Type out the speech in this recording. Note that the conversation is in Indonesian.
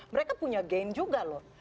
mereka punya gain juga loh